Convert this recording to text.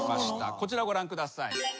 こちらをご覧ください。